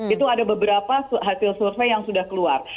itu ada beberapa hasil survei yang sudah keluar